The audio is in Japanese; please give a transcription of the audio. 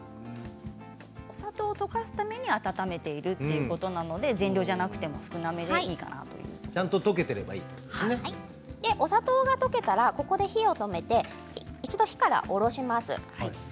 お砂糖を溶かすために温めているということなので全量ではなく少なめでいいかなと砂糖が溶けたらここで火を止めて一度火から下ろします。